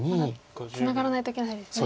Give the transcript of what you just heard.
またツナがらないといけないですね。